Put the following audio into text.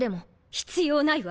必要ないわ。